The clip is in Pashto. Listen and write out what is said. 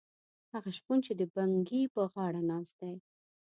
هغه شپون چې د بنګي پر غاړه ناست دی.